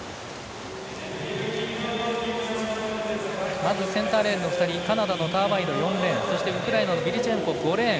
まずセンターレーンの２人カナダのターバイド、４レーンそしてウクライナのビルチェンコ、５レーン。